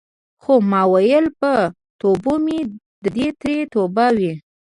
خو ما ویل په توبو مې دې ترې توبه وي.